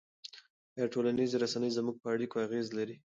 آیا ټولنیزې رسنۍ زموږ په اړیکو اغېز لري؟